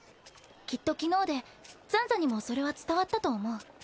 きっと昨日で斬左にもそれは伝わったと思う。